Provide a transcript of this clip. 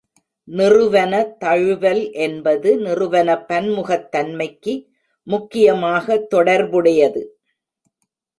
நிறுவன தழுவல் என்பது நிறுவன பன்முகத்தன்மைக்கு முக்கியமாக தொடர்புடையது.